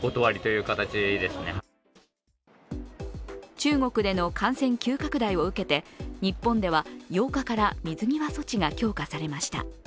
中国での感染急拡大を受けて、日本では８日から水際措置が強化されました。